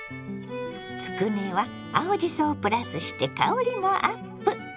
つくねは青じそをプラスして香りもアップ。